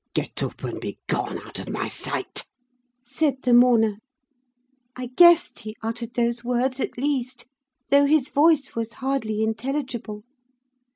"'Get up, and begone out of my sight,' said the mourner. "I guessed he uttered those words, at least, though his voice was hardly intelligible.